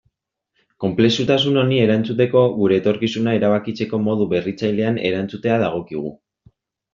Konplexutasun honi erantzuteko, gure etorkizuna erabakitzeko modu berritzailean erantzutea dagokigu.